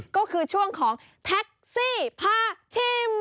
ก็คือช่วงของแท็กซี่พาชิม